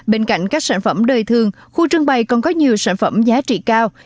bên cạnh các sản phẩm đời thường khu trưng bày còn có nhiều sản phẩm giá trị cao